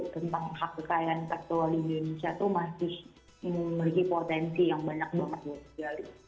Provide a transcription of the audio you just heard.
tentang hak kekayaan intelektual di indonesia itu masih memiliki potensi yang banyak banget buat sekali